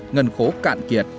ngân khố cao